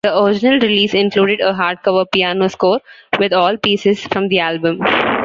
The original release included a hard-cover piano score with all pieces from the album.